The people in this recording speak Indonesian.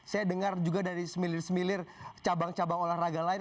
saya dengar juga dari semilir semilir cabang cabang olahraga lain